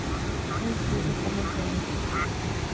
އެއީ ކީއްވެ ކަމެއް ނޭނގެ